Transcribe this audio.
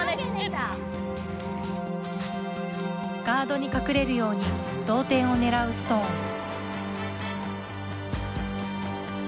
ガードに隠れるように同点をねらうストーン。